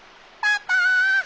パパ！